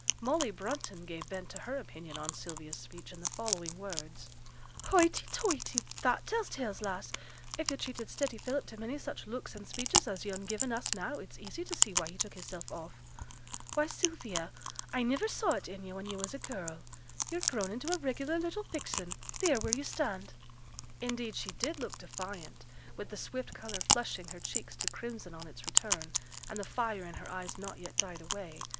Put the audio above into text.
Molly Brunton gave vent to her opinion on Sylvia's speech in the following words: 'Hoighty toighty! That tells tales, lass. If yo' treated steady Philip to many such looks an' speeches as yo'n given us now, it's easy t' see why he took hisself off. Why, Sylvia, I niver saw it in yo' when yo' was a girl; yo're grown into a regular little vixen, theere wheere yo' stand!' Indeed she did look defiant, with the swift colour flushing her cheeks to crimson on its return, and the fire in her eyes not yet died away.